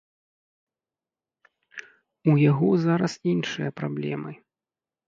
У яго зараз іншыя праблемы.